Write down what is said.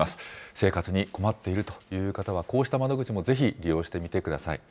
生活に困っているという方は、こうした窓口もぜひ利用してみてください。